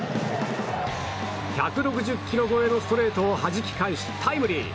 １６０キロ超えのストレートをはじき返しタイムリー。